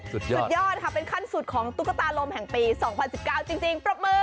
สุดยอดค่ะเป็นขั้นสุดของตุ๊กตาลมแห่งปี๒๐๑๙จริงปรบมือ